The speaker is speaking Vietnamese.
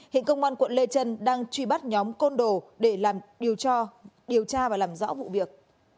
hiện công an quận lê trân đang truy bắt nhóm côn đồ để làm điều tra điều tra và làm rõ vụ việc